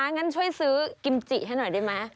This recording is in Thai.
งั้นช่วยซื้อกิมจิให้หน่อยได้ไหม